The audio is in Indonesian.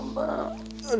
ngeri neng neng ngeri neng